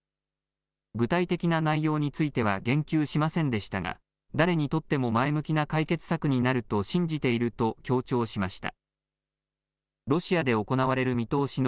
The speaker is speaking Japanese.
具体的な内容については言及しませんでしたが誰にとっても前向きな解決策になると信じていると強調しました。